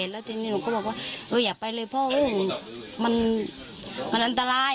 แล้วทีนี้หนูก็บอกว่าเอออย่าไปเลยพ่อมันอันตราย